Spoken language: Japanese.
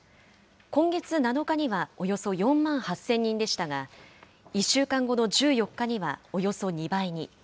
今月７日にはおよそ４万８０００人でしたが、１週間後の１４日にはおよそ２倍に。